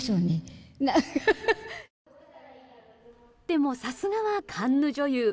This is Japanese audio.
でも、さすがはカンヌ女優。